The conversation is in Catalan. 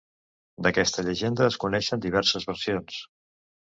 D'aquesta llegenda, es coneixen diverses versions.